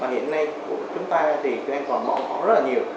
hiện nay chúng ta còn mẫu mẫu rất nhiều